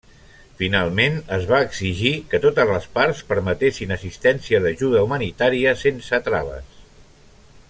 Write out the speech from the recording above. Finalment, es va exigir que totes les parts permetessin assistència d'ajuda humanitària sense traves.